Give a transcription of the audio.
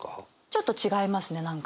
ちょっと違いますね何か。